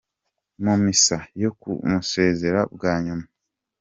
Mu misa yo kumusezera bwa nyuma.